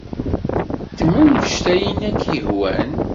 Ddem anect ay ak-yehwan.